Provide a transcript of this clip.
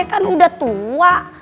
kan udah tua